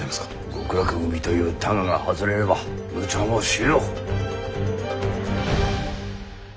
極楽組というタガが外れればむちゃもしよう。